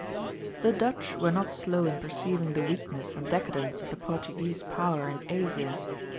The Dutch were not slow in perceiving the weakness and decadence of the Portuguese power in Asia.